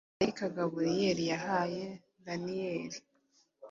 malayika Gaburiyeli yahaye Daniyeli